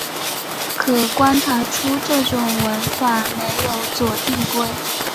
可观察出这种文法没有左递归。